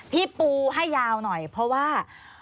ที่ปูให้ยาวหน่อยเพราะว่า